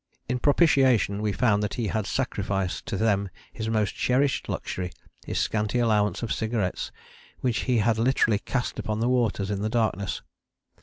In propitiation we found that he had sacrificed to them his most cherished luxury, his scanty allowance of cigarettes, which he had literally cast upon the waters in the darkness.